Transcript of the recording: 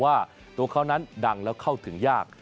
ว่าตัวเขานั้นดังแล้วเข้าถึงยาก